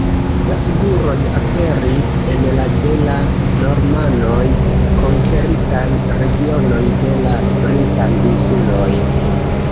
La figuroj aperis en la de la Normanoj konkeritaj regionoj de la Britaj Insuloj.